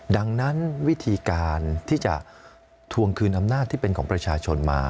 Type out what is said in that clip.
ดังนั้นวิธีการที่จะทวงคืนอำนาจที่เป็นของประชาชนมา